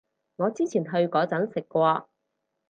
我之前去嗰陣食過